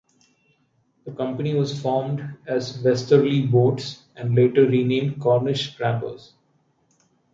The company was formed as Westerly Boats and later renamed Cornish Crabbers.